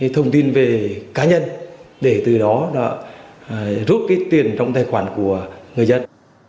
thông tin về cá nhân để từ đó rút tiền trong tài khoản của người dân